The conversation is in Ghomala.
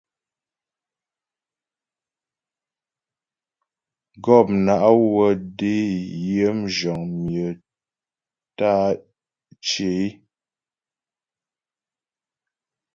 Gɔpna' wə́ dé yə mzhəŋ myə tə́ á cyə é.